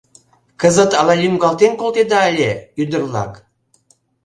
— Кызыт ала лӱҥгалтен колтеда ыле, ӱдыр-влак?